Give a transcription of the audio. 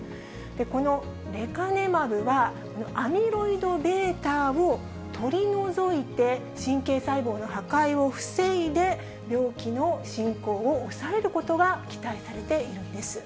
このレカネマブは、アミロイドβを取り除いて、神経細胞の破壊を防いで、病気の進行を抑えることが期待されているんです。